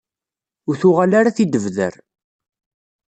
Ur tuɣal ara ad t-id-tebder.